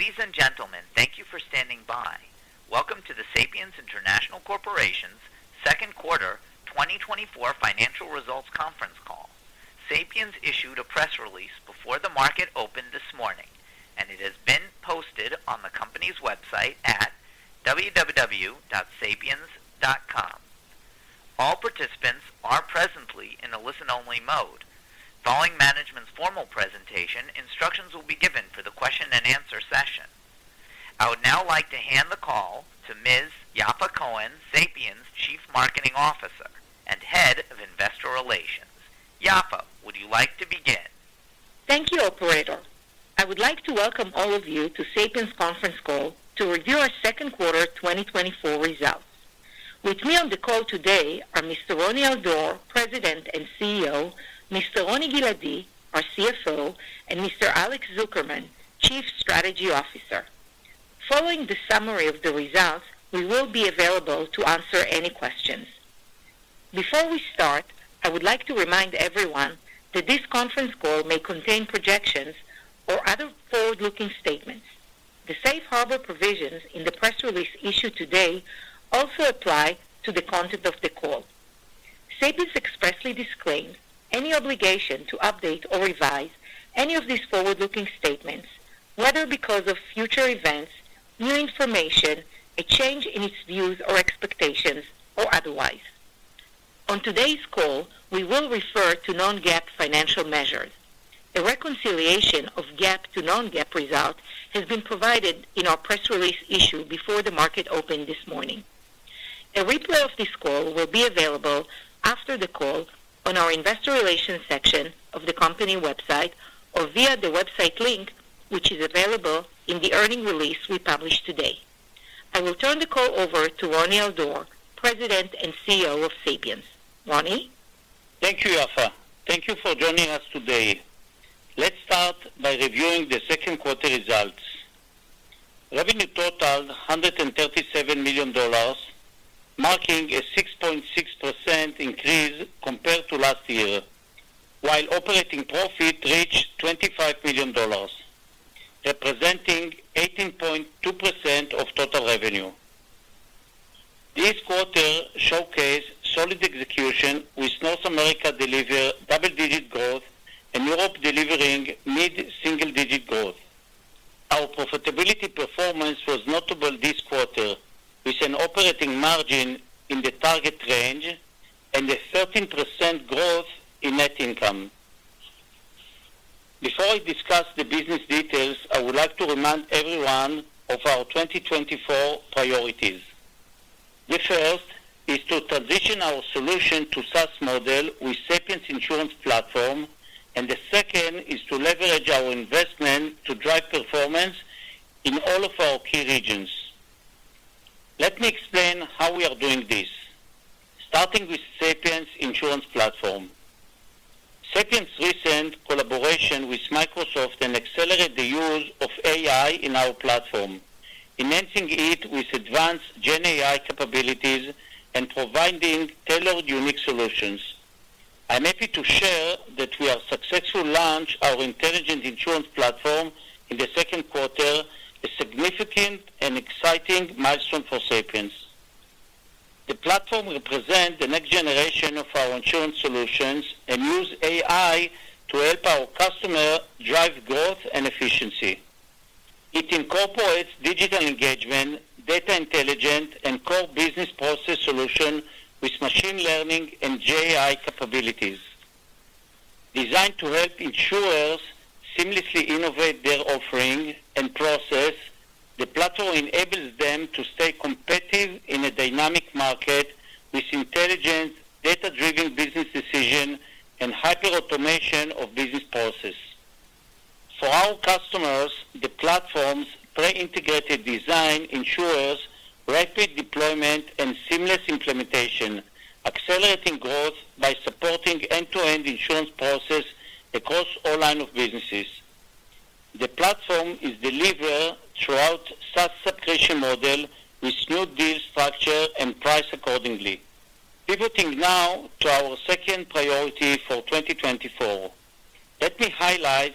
Ladies and gentlemen, thank you for standing by. Welcome to the Sapiens International Corporation's second quarter 2024 financial results conference call. Sapiens issued a press release before the market opened this morning, and it has been posted on the company's website at www.sapiens.com. All participants are presently in a listen-only mode. Following management's formal presentation, instructions will be given for the question and answer session. I would now like to hand the call to Ms. Yaffa Cohen, Sapiens Chief Marketing Officer and Head of Investor Relations. Yaffa, would you like to begin? Thank you, Operator. I would like to welcome all of you to Sapiens' conference call to review our second quarter 2024 results. With me on the call today are Mr. Roni Al-Dor, President and CEO, Mr. Roni Giladi, our CFO, and Mr. Alex Zukerman, Chief Strategy Officer. Following the summary of the results, we will be available to answer any questions. Before we start, I would like to remind everyone that this conference call may contain projections or other forward-looking statements. The safe harbor provisions in the press release issued today also apply to the content of the call. Sapiens expressly disclaims any obligation to update or revise any of these forward-looking statements, whether because of future events, new information, a change in its views or expectations, or otherwise. On today's call, we will refer to non-GAAP financial measures. A reconciliation of GAAP to non-GAAP results has been provided in our press release issued before the market opened this morning. A replay of this call will be available after the call on our investor relations section of the company website or via the website link, which is available in the earnings release we published today. I will turn the call over to Roni Al-Dor, President and CEO of Sapiens. Roni? Thank you, Yaffa. Thank you for joining us today. Let's start by reviewing the second quarter results. Revenue totaled $137 million, marking a 6.6% increase compared to last year, while operating profit reached $25 million, representing 18.2% of total revenue. This quarter showcased solid execution, with North America deliver double-digit growth and Europe delivering mid-single-digit growth. Our profitability performance was notable this quarter, with an operating margin in the target range and a 13% growth in net income. Before I discuss the business details, I would like to remind everyone of our 2024 priorities. The first is to transition our solution to SaaS model with Sapiens Insurance Platform, and the second is to leverage our investment to drive performance in all of our key regions. Let me explain how we are doing this, starting with Sapiens Insurance Platform. Sapiens' recent collaboration with Microsoft and accelerate the use of AI in our platform, enhancing it with advanced GenAI capabilities and providing tailored, unique solutions. I'm happy to share that we have successfully launched our Intelligent Insurance Platform in the second quarter, a significant and exciting milestone for Sapiens. The platform represent the next generation of our insurance solutions and use AI to help our customer drive growth and efficiency. It incorporates digital engagement, data intelligence, and core business process solution with machine learning and GenAI capabilities. Designed to help insurers seamlessly innovate their offering and process, the platform enables them to stay competitive in a dynamic market with intelligent, data-driven business decision and hyper automation of business process. For our customers, the platform's pre-integrated design ensures rapid deployment and seamless implementation, accelerating growth by supporting end-to-end insurance process across all line of businesses. The platform is delivered through a SaaS subscription model with smooth deal structure and price accordingly. Pivoting now to our second priority for 2024, let me highlight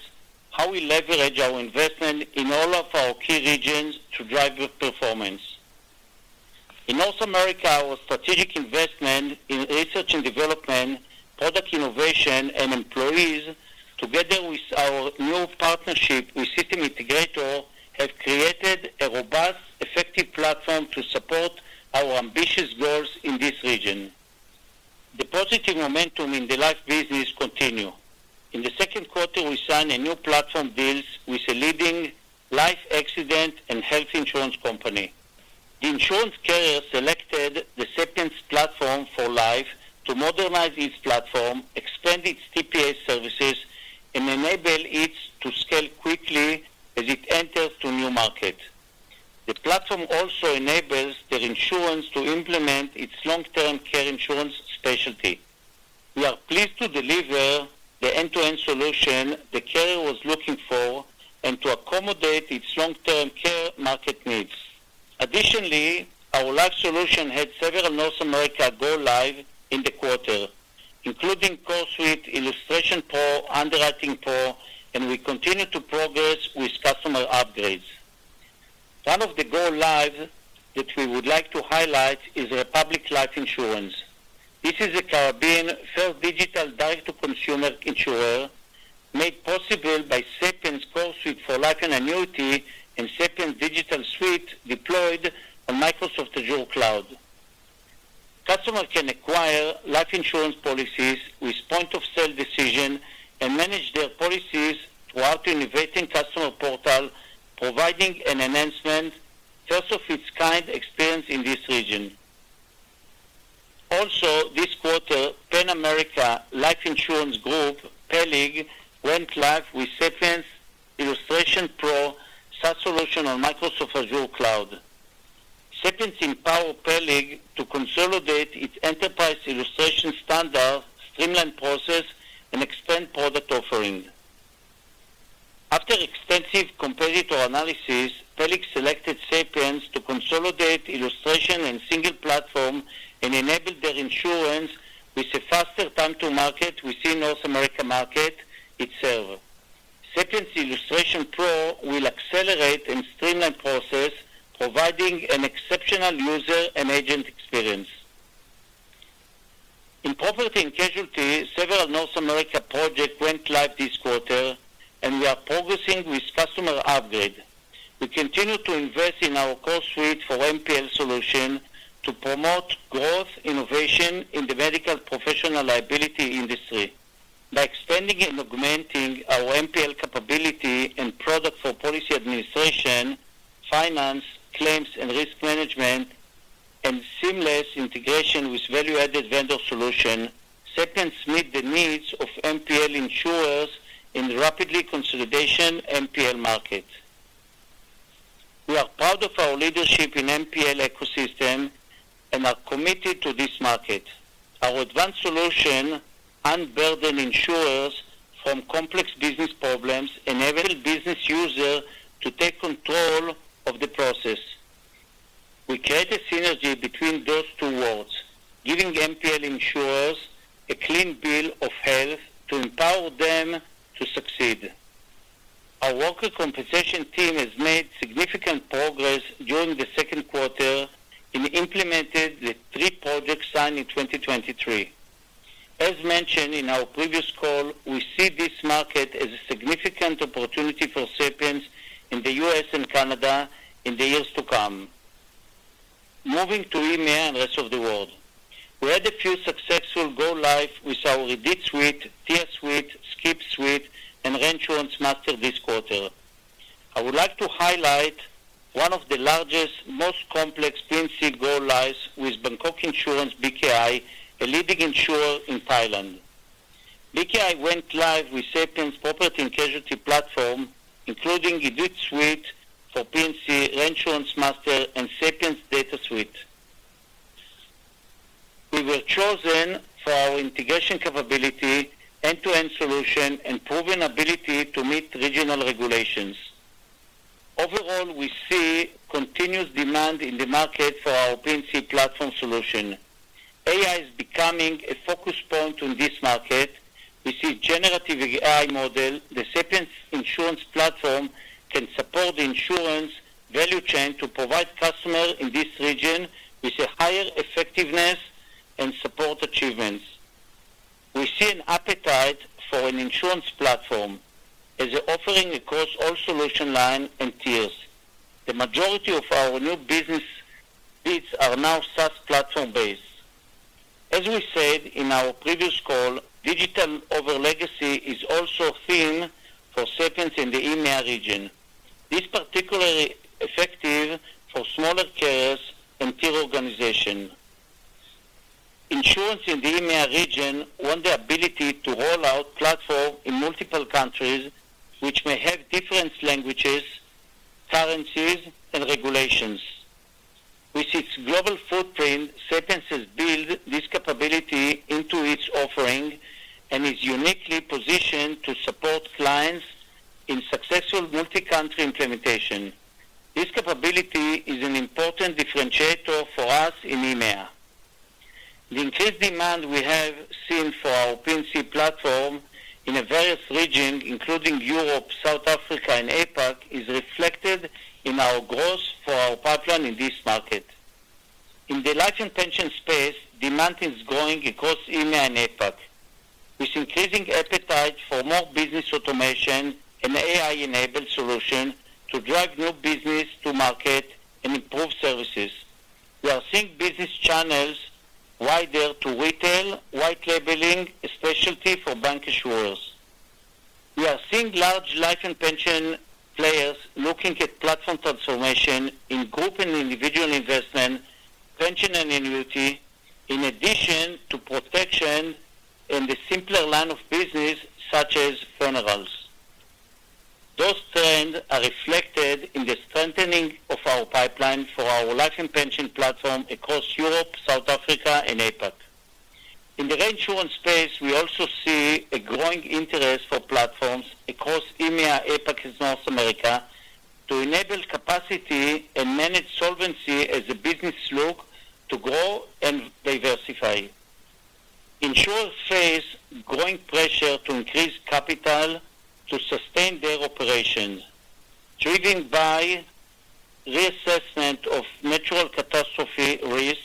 how we leverage our investment in all of our key regions to drive good performance. In North America, our strategic investment in research and development, product innovation, and employees, together with our new partnership with system integrator, have created a robust, effective platform to support our ambitious goals in this region. The positive momentum in the Life business continue. In the second quarter, we signed a new platform deals with a leading life, accident, and health insurance company. The insurance carrier selected the Sapiens platform for Life to modernize its platform, expand its TPA services, and enable it to scale quickly as it enters to new market. The platform also enables the insurance to implement its long-term care insurance specialty. We are pleased to deliver the end-to-end solution the carrier was looking for and to accommodate its long-term care market needs. Additionally, our live solution had several North America go live in the quarter, including CoreSuite, IllustrationPro, UnderwritingPro, and we continue to progress with customer upgrades. One of the go live that we would like to highlight is Republic Life Insurance. This is a Caribbean first digital direct-to-consumer insurer, made possible by Sapiens' CoreSuite for Life and Annuity and Sapiens' DigitalSuite deployed on Microsoft Azure Cloud. Customers can acquire life insurance policies with point-of-sale decision and manage their policies through our innovating customer portal, providing an enhancement, first of its kind experience in this region. Also, this quarter, Pan-American Life Insurance Group, PALIG, went live with Sapiens' IllustrationPro, SaaS solution on Microsoft Azure Cloud. Sapiens empowers PALIG to consolidate its enterprise illustration standard, streamline process, and expand product offering. After extensive competitor analysis, PALIG selected Sapiens to consolidate illustration in a single platform and enable their insurance with a faster time to market within North America market itself. Sapiens' IllustrationPro will accelerate and streamline process, providing an exceptional user and agent experience. In property and casualty, several North America projects went live this quarter, and we are progressing with customer upgrade. We continue to invest in our CoreSuite for MPL solution to promote growth, innovation in the medical professional liability industry. By expanding and augmenting our MPL capability and product for policy administration, finance, claims, and risk management, and seamless integration with value-added vendor solution, Sapiens meets the needs of MPL insurers in rapidly consolidation MPL market. We are proud of our leadership in MPL ecosystem and are committed to this market. Our advanced solution unburdens insurers from complex business problems, enabling business users to take control of the process. We create a synergy between those two worlds, giving MPL insurers a clean bill of health to empower them to succeed. Our workers' compensation team has made significant progress during the second quarter and implemented the three projects signed in 2023. As mentioned in our previous call, we see this market as a significant opportunity for Sapiens in the U.S. and Canada in the years to come. Moving to EMEA and rest of the world, we had a few successful go-lives with our IDITSuite, Tia Suite, SCIPSuite, and ReinsuranceMaster this quarter. I would like to highlight one of the largest, most complex P&C go-lives with Bangkok Insurance, BKI, a leading insurer in Thailand. BKI went live with Sapiens' property and casualty platform, including IDITSuite for P&C, ReinsuranceMaster, and Sapiens' DataSuite. We were chosen for our integration capability, end-to-end solution, and proven ability to meet regional regulations. Overall, we see continuous demand in the market for our P&C platform solution. AI is becoming a focus point on this market. We see generative AI model, the Sapiens Insurance Platform, can support the insurance value chain to provide customer in this region with a higher effectiveness and support achievements. We see an appetite for an insurance platform as offering across all solution line and tiers. The majority of our new business bids are now SaaS platform-based. As we said in our previous call, digital over legacy is also a theme for Sapiens in the EMEA region. This particularly effective for smaller carriers and tier organization. Insurance in the EMEA region want the ability to roll out platform in multiple countries, which may have different languages, currencies, and regulations. With its global footprint, Sapiens has built this capability into its offering and is uniquely positioned to support clients in successful multi-country implementation. This capability is an important differentiator for us in EMEA. The increased demand we have seen for our P&C platform in various regions, including Europe, South Africa, and APAC, is reflected in our growth for our pipeline in this market. Life and Pension space, demand is growing across EMEA and APAC, with increasing appetite for more business automation and AI-enabled solution to drive new business to market and improve services. We are seeing business channels wider to retail, white labeling, especially for bank insurers. We are Life and Pension players looking at platform transformation in group and individual investment, Pension and Annuity, in addition to protection and the simpler line of business, such as funerals. Those trends are reflected in the strengthening of our pipeline Life and Pension platform across Europe, South Africa, and APAC. In the Reinsurance space, we also see a growing interest for platforms across EMEA, APAC, and North America to enable capacity and manage solvency as the business look to grow and diversify. Insurers face growing pressure to increase capital to sustain their operations, driven by reassessment of natural catastrophe risk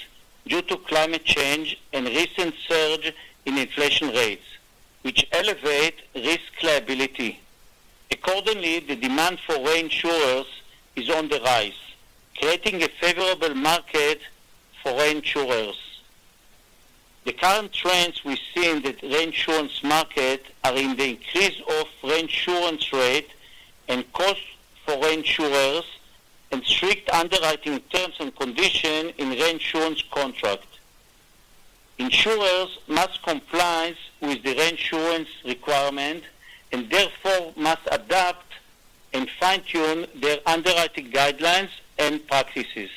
due to climate change and recent surge in inflation rates, which elevate risk liability. Accordingly, the demand for reinsurers is on the rise, creating a favorable market for reinsurers. The current trends we see in the Reinsurance market are in the increase of Reinsurance rate and cost for reinsurers and strict underwriting terms and conditions in Reinsurance contract. Insurers must comply with the Reinsurance requirement and therefore must adapt and fine-tune their underwriting guidelines and practices.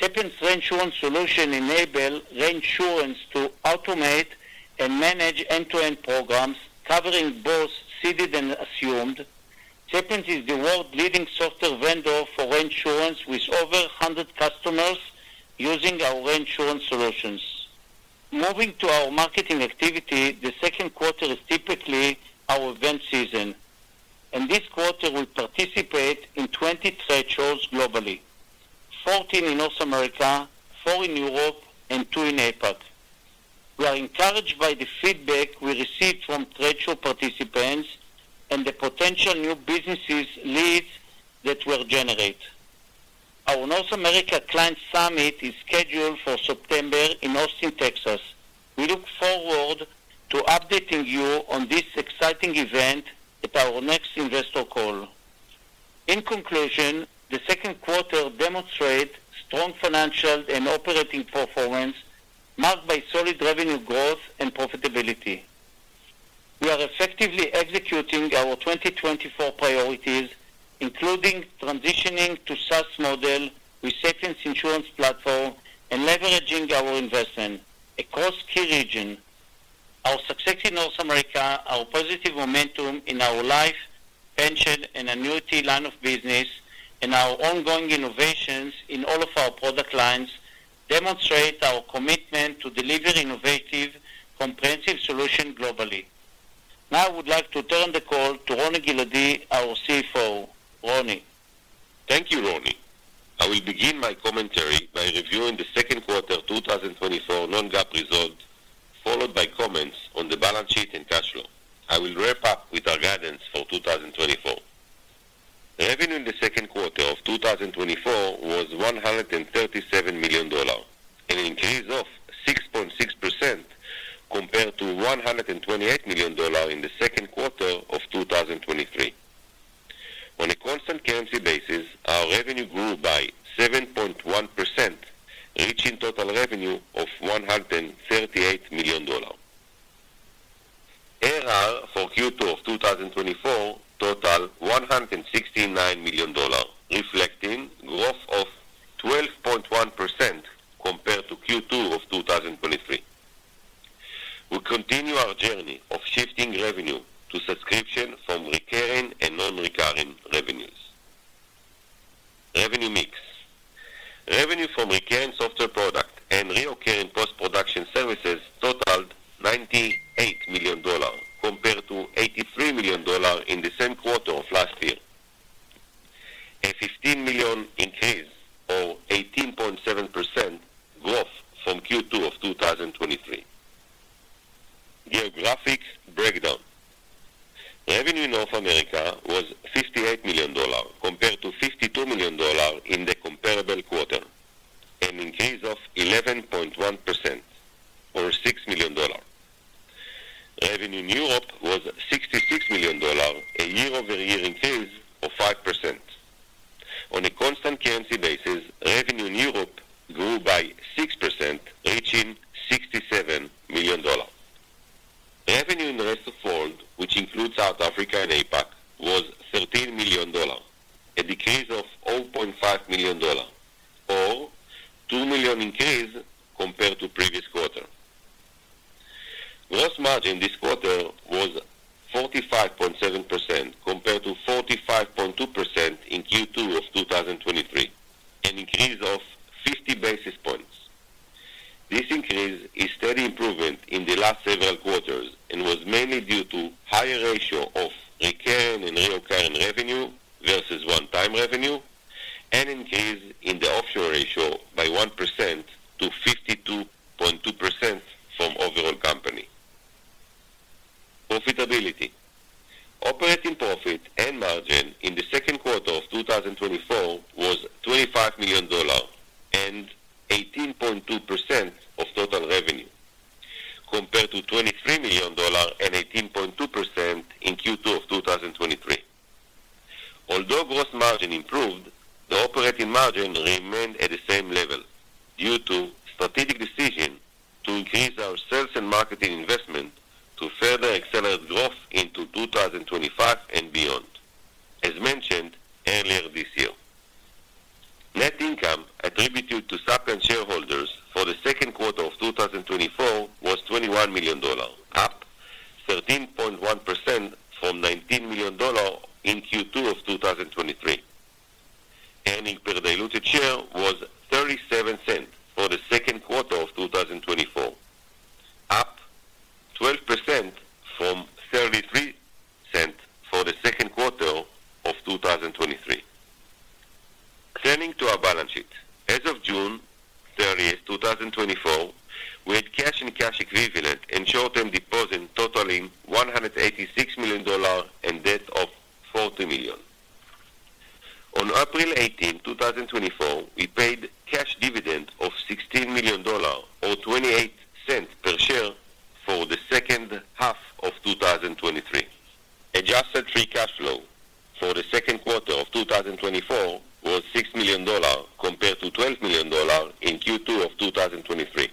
Sapiens' Reinsurance solution enables reinsurers to automate and manage end-to-end programs, covering both ceded and assumed. Sapiens is the world's leading software vendor for Reinsurance, with over 100 customers using our Reinsurance solutions. Moving to our marketing activity, the second quarter is typically our event season, and this quarter we participate in 20 trade shows globally, 14 in North America, four in Europe, and two in APAC. We are encouraged by the feedback we received from trade show participants and the potential new business leads that were generated. Our North America Client Summit is scheduled for September in Austin, Texas. We look forward to updating you on this exciting event at our next investor call. In conclusion, the second quarter demonstrate strong financial and operating performance, marked by solid revenue growth and profitability. We are effectively executing our 2024 priorities, including transitioning to SaaS model with Sapiens Insurance Platform and leveraging our investment across key region. Our success in North America, our positive momentum in our Life, Pension, and Annuity line of business, and our ongoing innovations in all of our product lines demonstrate our commitment to deliver innovative, comprehensive solution globally. Now, I would like to turn the call to Roni Giladi, our CFO. Roni? Thank you, Roni. I will begin my commentary by reviewing the second quarter, 2024 non-GAAP results, followed by comments on the balance sheet and cash flow. I will wrap up with our guidance for 2024. Revenue in the second quarter of 2024 was $137 million, an increase of 6.6% compared to $128 million in the second quarter of 2023. On a constant currency basis, our revenue grew by 7.1%, reaching total revenue of $138 million. ARR for Q2 of 2024 total $169 million, reflecting growth of 12.1% compared to Q2 of 2023. We continue our journey of shifting revenue to subscription from recurring and non-recurring revenues. Revenue mix. Revenue from recurring software product and recurring post-production services totaled $98 million, compared to $83 million in the same quarter of last year. A $15 million increase or 18.7% growth from Q2 of 2023. Geographic breakdown. Revenue in North America was $58 million, compared to $52 million in the comparable quarter, an increase of 11.1% or $6 million. Revenue in Europe was $66 million, a year-over-year increase of 5%. On a constant currency basis, revenue in Europe grew by 6%, reaching $67 million. Revenue in the rest of world, which includes South Africa and APAC, was $13 million, a decrease of $0.5 million or $2 million increase compared to previous quarter. Gross margin this quarter was 45.7%, compared to 45.2% in Q2 of 2023, an increase of 50 basis points. This increase is steady improvement in the last several quarters and was mainly due to higher ratio of recurring and reoccurring revenue versus one-time revenue, and increase in the offshore ratio by 1% to 52.2% from overall company profitability. Operating profit and margin in the second quarter of 2024 was $25 million and 18.2% of total revenue, compared to $23 million and 18.2% in Q2 of 2023. Although gross margin improved, the operating margin remained at the same level due to strategic decision to increase our sales and marketing investment to further accelerate growth into 2025 and beyond. Net income attributed to Sapiens shareholders for the second quarter of 2024 was $21 million, up 13.1% from $19 million in Q2 of 2023. Earnings per diluted share was $0.37 for the second quarter of 2024, up 12% from $0.33 for the second quarter of 2023. Turning to our balance sheet. As of June 30th, 2024, we had cash and cash equivalents and short-term deposits totaling $186 million and debt of $40 million. On April 18th, 2024, we paid cash dividend of $16 million, or $0.28 per share for the second half of 2023. Adjusted free cash flow for the second quarter of 2024 was $6 million, compared to $12 million in Q2 of 2023,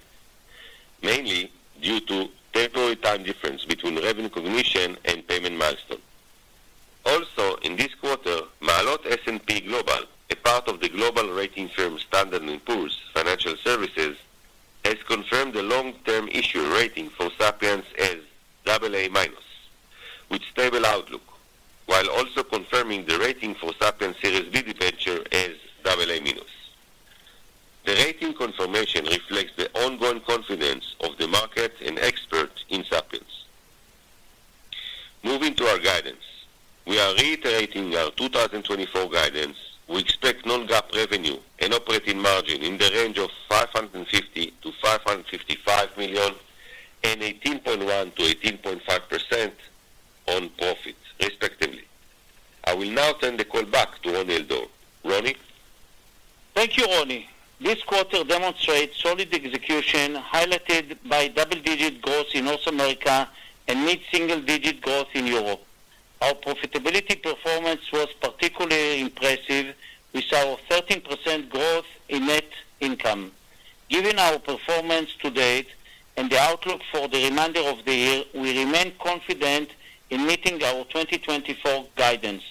mainly due to temporary time difference between revenue recognition and payment milestone. Also, in this quarter, Maalot S&P Global, a part of the global rating firm, Standard & Poor's Financial Services, has confirmed the long-term issue rating for Sapiens as AA-, with stable outlook, while also confirming the rating for Sapiens Series B debenture as AA-. The rating confirmation reflects the ongoing confidence of the market and experts in Sapiens. Moving to our guidance. We are reiterating our 2024 guidance. We expect Non-GAAP revenue and operating margin in the range of $550 million-$555 million, and 18.1%-18.5% on profits, respectively. I will now turn the call back to Roni Al-Dor. Roni? Thank you, Roni. This quarter demonstrates solid execution, highlighted by double-digit growth in North America and mid-single-digit growth in Europe. Our profitability performance was particularly impressive, with our 13% growth in net income. Given our performance to date and the outlook for the remainder of the year, we remain confident in meeting our 2024 guidance.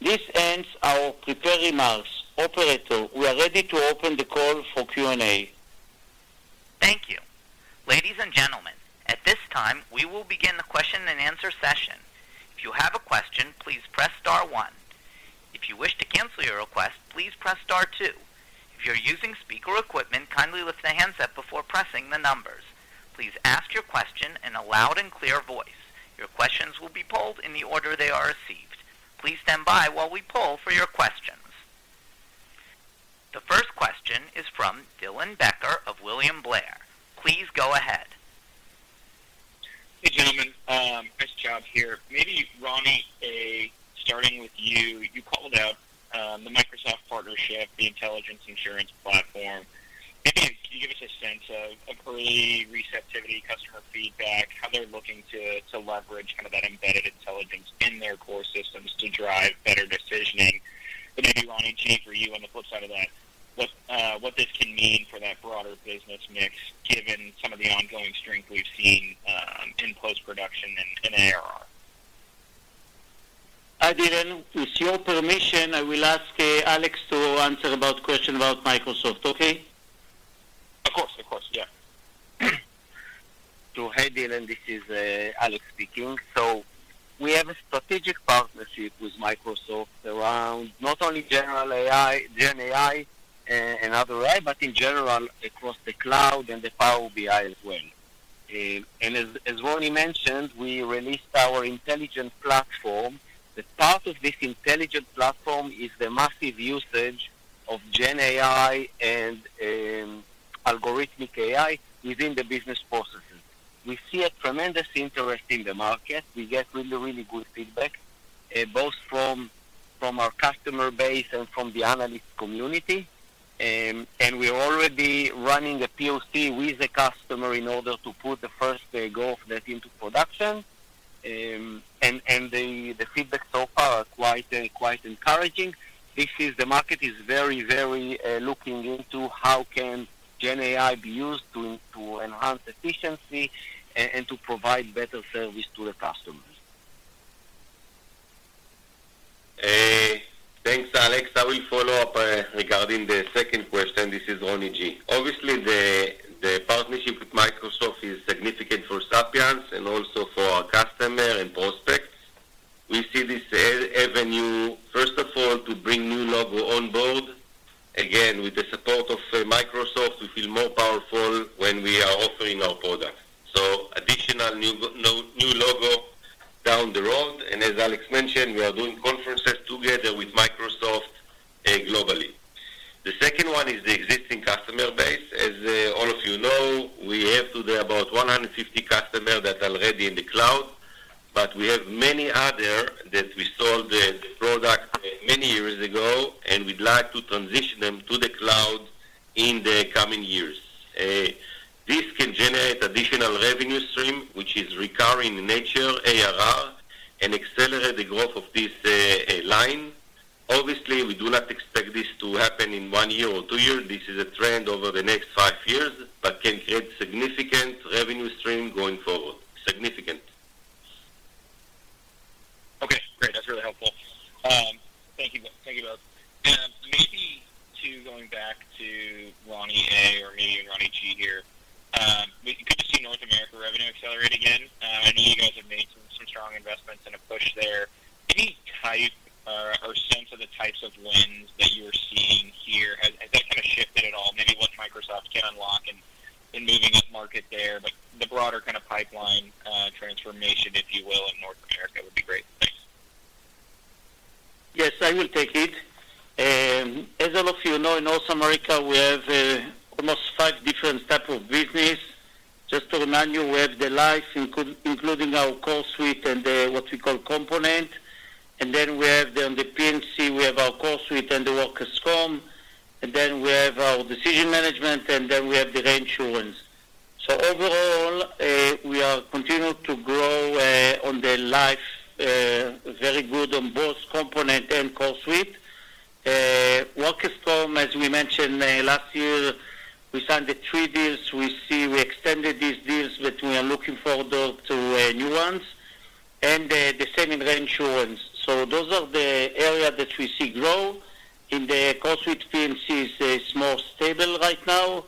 This ends our prepared remarks. Operator, we are ready to open the call for Q&A. Thank you. Ladies and gentlemen, at this time, we will begin the question-and-answer session. If you have a question, please press star one. If you wish to cancel your request, please press star two. If you're using speaker equipment, kindly lift the handset before pressing the numbers. Please ask your question in a loud and clear voice. Your questions will be polled in the order they are received. Please stand by while we poll for your questions. The first question is from Dylan Becker of William Blair. Please go ahead. Hey, gentlemen, nice job here. Maybe, Roni, starting with you, you called out, the Microsoft partnership, the Intelligent Insurance Platform. Maybe can you give us a sense of employee receptivity, customer feedback, how they're looking to, to leverage kind of that embedded intelligence in their core systems to drive better decisioning? And maybe, Roni, too, for you, on the flip side of that, what, what this can mean for that broader business mix, given some of the ongoing strength we've seen, in post-production and in ARR? Hi, Dylan. With your permission, I will ask Alex to answer about question about Microsoft. Okay? Of course. Of course. Yeah. So hey, Dylan, this is Alex speaking. So we have a strategic partnership with Microsoft around not only general AI, GenAI and other AI, but in general, across the Cloud and the Power BI as well. And as Roni mentioned, we released our intelligent platform. The part of this intelligent platform is the massive usage of GenAI and algorithmic AI within the business processes. We see a tremendous interest in the market. We get really, really good feedback both from our customer base and from the analyst community. And we are already running a POC with the customer in order to put the first go of that into production. And the feedback so far are quite encouraging. The market is very, very looking into how can GenAI be used to enhance efficiency and to provide better service to the customers. Thanks, Alex. I will follow up regarding the second question. This is Roni G. Obviously, the partnership with Microsoft is significant for Sapiens and also for our customer and prospects. We see this an avenue, first of all, to bring new logo on board. Again, with the support of Microsoft, we feel more powerful when we are offering our product. So additional new logo down the road, and as Alex mentioned, we are doing conferences together with Microsoft globally. The second one is the existing customer base. As all of you know, we have today about 150 customer that are already in the Cloud, but we have many other that we sold the product many years ago, and we'd like to transition them to the Cloud in the coming years. This can generate additional revenue stream, which is recurring in nature, ARR, and accelerate the growth of this line. Obviously, we do not expect this to happen in one year or two years. This is a trend over the next five years, but can create significant revenue stream going forward. Significant.... Okay, great. That's really helpful. Thank you, thank you both. Maybe to going back to Roni A, or maybe Roni G here, good to see North America revenue accelerate again. I know you guys have made some strong investments and a push there. Any type or sense of the types of wins that you are seeing here, has that kind of shifted at all? Maybe what Microsoft can unlock in moving upmarket there, but the broader kind of pipeline transformation, if you will, in North America would be great. Thanks. Yes, I will take it. As all of you know, in North America, we have almost five different type of business. Just to remind you, we have the Life, including our CoreSuite and the, what we call component. And then we have the, on the P&C, we have our CoreSuite and the workers comp, and then we have our decision management, and then we have the Reinsurance. So overall, we are continued to grow on the Life, very good on both component and CoreSuite. Workers comp, as we mentioned, last year, we signed the three deals. We see we extended these deals, but we are looking forward to new ones, and the same in Reinsurance. So those are the areas that we see grow. In the CoreSuite, P&C is more stable right now.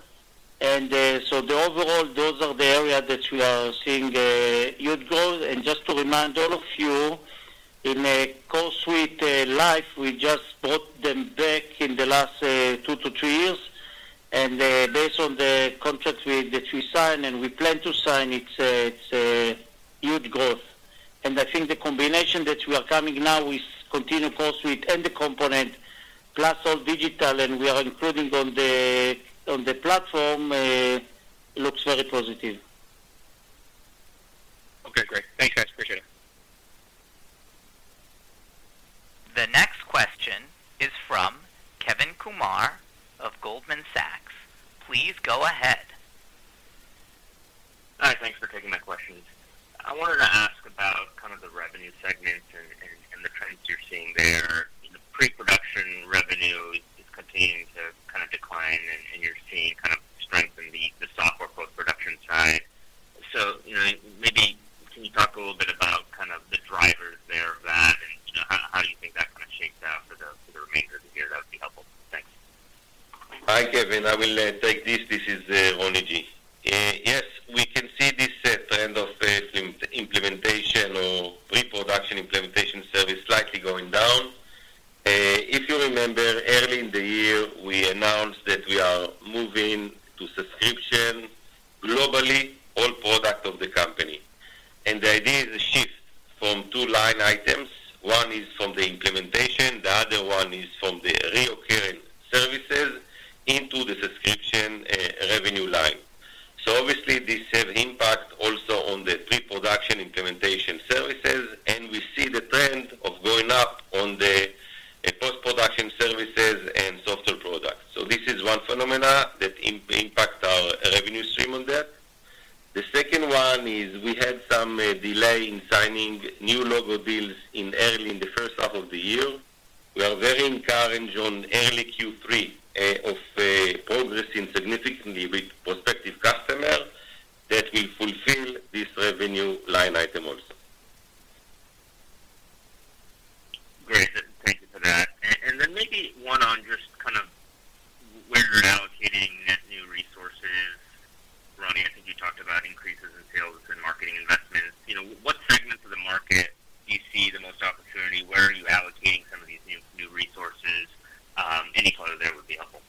So the overall, those are the areas that we are seeing, huge growth. Just to remind all of you, in CoreSuite Life, we just brought them back in the last two to three years. Based on the contracts we, that we sign and we plan to sign, it's a, it's a huge growth. I think the combination that we are coming now with continued CoreSuite and the component, plus all digital, and we are including on the, on the platform, looks very positive. Okay, great. Thanks, guys. Appreciate it. The next question is from Kevin Kumar of Goldman Sachs. Please go ahead. Hi, thanks for taking my questions. I wanted to ask about kind of the revenue segments and the trends you're seeing there. The pre-production revenue is continuing to kind of decline, and you're seeing kind of strength in the new logo deals in early in the first half of the year. We are very encouraged on early Q3 progressing significantly with prospective customers that will fulfill this revenue line item also. Great. Thank you for that. And then maybe one on just kind of where you're allocating net new resources. Roni, I think you talked about increases in sales and marketing investments. You know, what segments of the market do you see the most opportunity? Where are you allocating some of these new resources? Any color there would be helpful.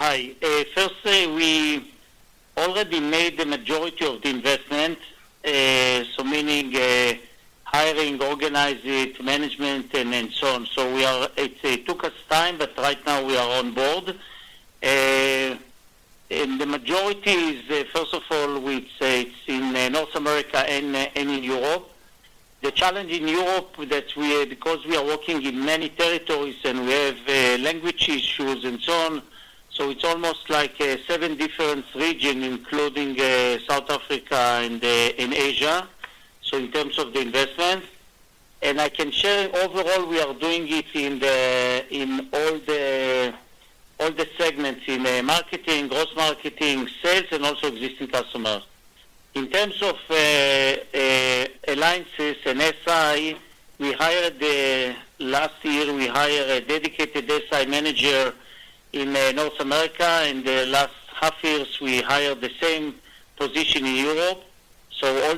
Hi. Firstly, we've already made the majority of the investment, so meaning, hiring, organizing, management, and then so on. So we are-- It took us time, but right now we are on board. And the majority is, first of all, we'd say it's in North America and in Europe. The challenge in Europe that we... Because we are working in many territories, and we have, language issues and so on, so it's almost like, seven different region, including, South Africa and, in Asia, so in terms of the investment. And I can share overall, we are doing it in the, in all the, all the segments, in, marketing, growth marketing, sales, and also existing customers. In terms of alliances and SI, last year we hire a dedicated SI manager in North America, and the last half years, we hired the same position in Europe. So all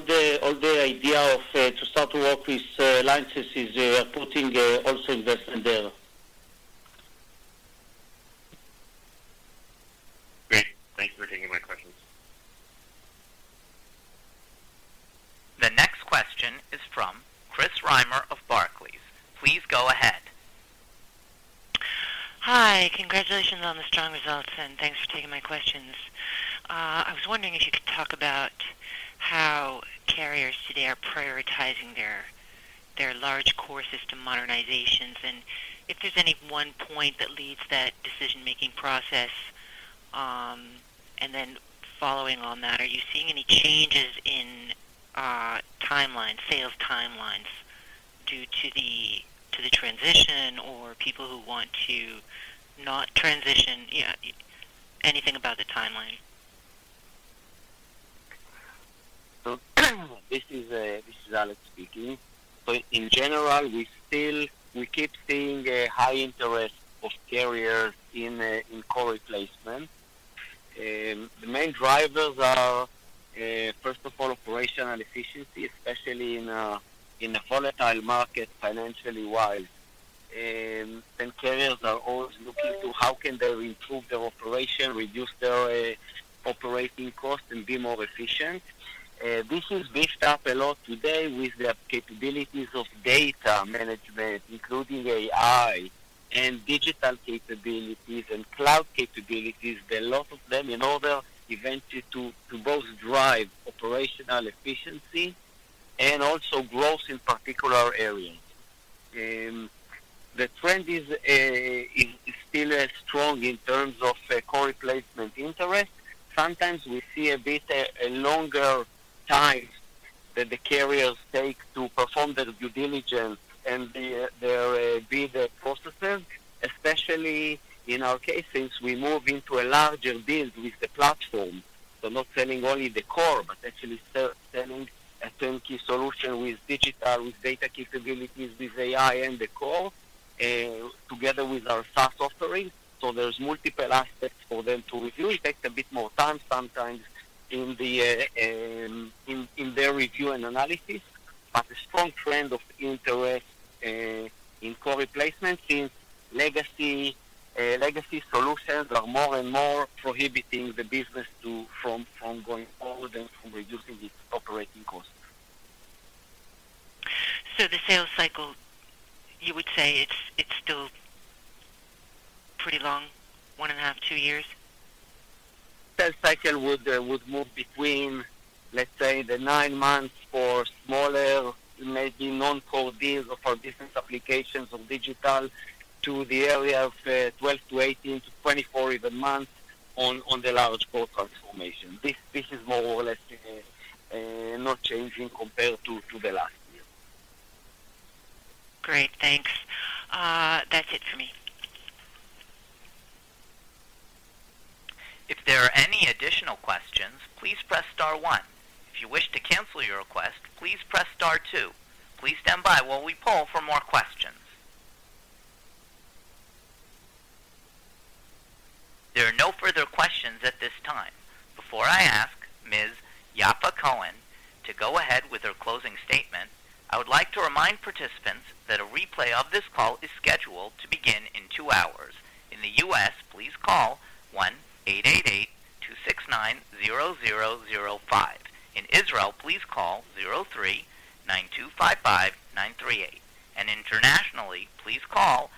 the idea of to start to work with alliances is putting also investment there. Great. Thank you for taking my questions. The next question is from Chris Reimer of Barclays. Please go ahead. Hi, congratulations on the strong results, and thanks for taking my questions. I was wondering if you could talk about how carriers today are prioritizing their, their large core system modernizations, and if there's any one point that leads that decision-making process. And then following on that, are you seeing any changes in timeline, sales timelines due to or people who want to not transition? Yeah, anything about the timeline. So this is Alex speaking. In general, we still keep seeing a high interest of carriers in core replacement. The main drivers are, first of all, operational efficiency, especially in a volatile market, financially wide. And carriers are always looking to how can they improve their operation, reduce their operating costs, and be more efficient. This is beefed up a lot today with the capabilities of data management, including AI and digital capabilities and Cloud capabilities. There are a lot of them in order eventually to both drive operational efficiency and also growth in particular areas. The trend is still strong in terms of core replacement interest. Sometimes we see a bit, a longer time that the carriers take to perform their due diligence and their bid processes, especially in our cases, we move into a larger deal with the platform. So not selling only the core, but actually selling a turnkey solution with digital, with data capabilities, with AI and the core, together with our SaaS offering. So there's multiple aspects for them to review. It takes a bit more time, sometimes, in their review and analysis, but a strong trend of interest in core replacement, since legacy solutions are more and more prohibiting the business from going forward and from reducing its operating costs. So the sales cycle, you would say it's, it's still pretty long, 1.5 to two years? Sales cycle would move between, let's say, the nine months for smaller, maybe non-core deals or for different applications of digital, to the area of 12 to 18 to 24 even months on the large core transformation. This is more or less not changing compared to the last year. Great, thanks. That's it for me. If there are any additional questions, please press star one. If you wish to cancel your request, please press star two. Please stand by while we poll for more questions. There are no further questions at this time. Before I ask Ms. Yaffa Cohen to go ahead with her closing statement, I would like to remind participants that a replay of this call is scheduled to begin in two hours. In the U.S., please call 1-888-269-0005. In Israel, please call 03-925-5938, and internationally, please call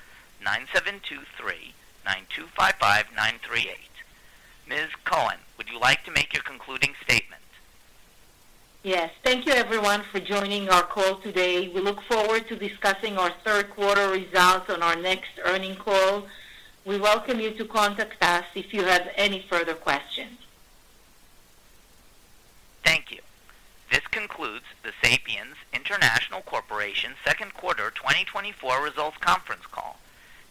972-3-925-5938. Ms. Cohen, would you like to make your concluding statement? Yes. Thank you everyone for joining our call today. We look forward to discussing our third quarter results on our next earnings call. We welcome you to contact us if you have any further questions. Thank you. This concludes the Sapiens International Corporation second quarter 2024 results conference call.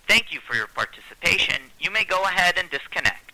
Thank you for your participation. You may go ahead and disconnect.